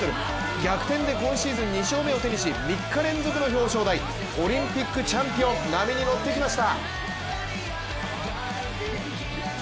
逆転で今シーズン２勝目を手にし、３日連続の表彰台、オリンピックチャンピオン、波に乗ってきました。